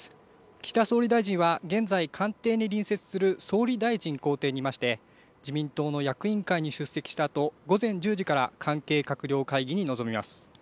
岸田総理大臣は現在官邸に隣接する総理大臣公邸にいまして自民党の役員会に出席したあと午前１０時から関係閣僚会議に臨みます。